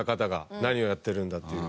何をやってるんだっていう。